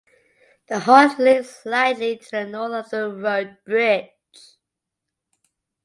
The halt lay slightly to the north of the road bridge.